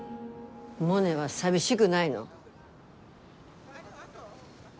モネは寂しぐないの？